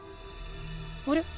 あれ？